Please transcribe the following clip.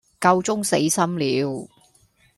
夠鐘死心了